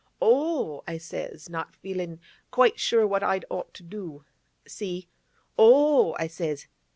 "Oh!" I says—not feelin' quite sure what I'd ought to do—see? "Oh!" I says.